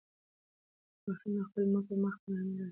ماشوم د خپلې مور په مخ په نرمۍ لاس تېر کړ.